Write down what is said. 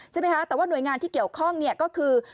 ใช่ไหมคะแต่ว่าหน่วยงานที่เกี่ยวข้องเนี่ยก็คือ